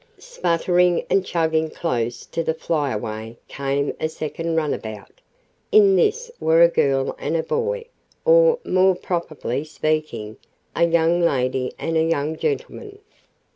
Sputtering and chugging close to the Flyaway came a second runabout. In this were a girl and a boy, or, more properly speaking, a young lady and a young gentleman.